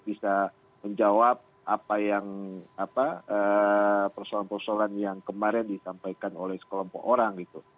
bisa menjawab apa yang persolan persolan yang kemarin disampaikan oleh sekelompok orang